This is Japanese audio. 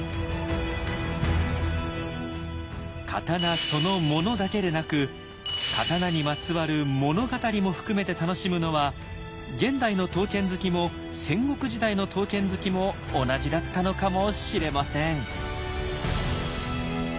刀その「物」だけでなく刀にまつわる「物語」も含めて楽しむのは現代の刀剣好きも戦国時代の刀剣好きも同じだったのかもしれません。